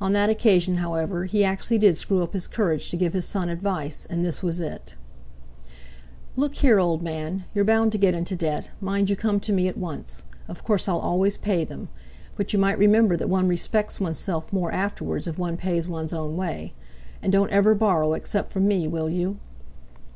On that occasion, however, he actually did screw up his courage to give his son advice, and this was it: "Look here, old man, you're bound to get into debt; mind you come to me at once. Of course, I'll always pay them. But you might remember that one respects oneself more afterwards if one pays one's own way. And don't ever borrow, except from me, will you?"